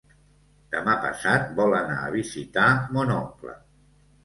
Demà passat vol anar a visitar mon oncle.